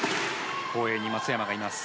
後衛に松山がいます。